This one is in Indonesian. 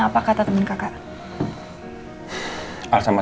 papa harus sembuh